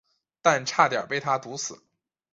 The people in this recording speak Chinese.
但差点被他毒死。